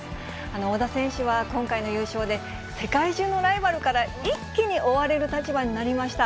小田選手は今回の優勝で、世界中のライバルから一気に追われる立場になりました。